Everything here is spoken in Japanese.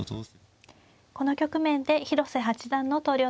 この局面で広瀬八段の投了となりました。